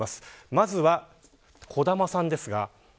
まずは小玉さんです。